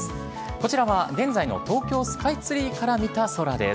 こちらは現在の東京スカイツリーから見た空です。